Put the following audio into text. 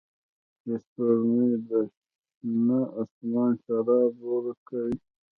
چې سپوږمۍ ته د شنه اسمان شراب ورکوي